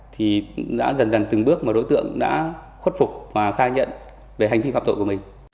thì đã dần dần từng bước mà đối tượng đã khuất phục và khai nhận về hành vi phạm tội của mình